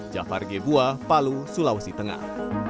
jafar g bua palu sulawesi tengah